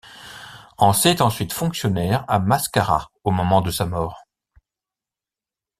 Ancey est ensuite fonctionnaire à Mascara au moment de sa mort.